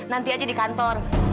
nanti aja di kantor